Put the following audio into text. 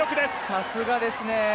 さすがですね。